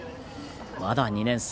まだ２年生。